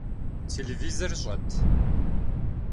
Телевизор щӏэт?